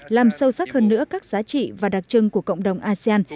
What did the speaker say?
làm sâu sắc hơn nữa các giá trị và đặc trưng của cộng đồng asean